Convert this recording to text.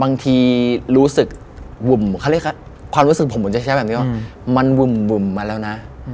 บางทีรู้สึกวุ่มความรู้สึกผมมันจะใช้แบบนี้ว่ามันวุ่มมาแล้วนะ